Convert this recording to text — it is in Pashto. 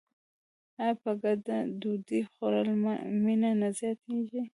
آیا په ګډه ډوډۍ خوړل مینه نه زیاتوي؟